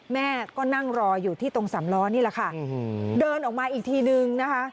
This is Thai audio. แม่ก็นั่งรออยู่ที่ตรงสามล้อนี่แหละค่ะเดินออกมาอีกทีนึงนะคะ